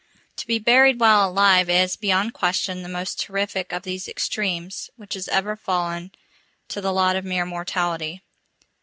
To be buried while alive is, beyond question, the most terrific of these extremes which has ever fallen to the lot of mere mortality.